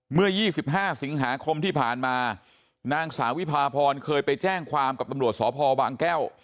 เมื่อ๒๕สิงหาคมที่ผ่านมานางสาววิพาพรเคยไปแจ้งความกับตำรวจสพบางแก้ว